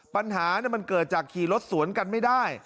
ปัญหามันเกิดจากขี่รถสวนกันไม่ได้